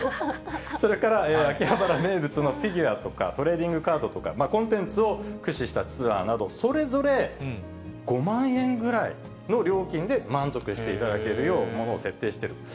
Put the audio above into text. それから、秋葉原名物のフィギュアとか、トレーディングカードとか、コンテンツを駆使したツアーなど、それぞれ、５万円ぐらいの料金で満足していただけるようなものを設定している。